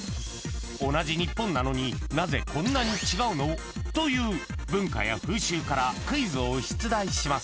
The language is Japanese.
［同じ日本なのになぜこんなに違うの？という文化や風習からクイズを出題します］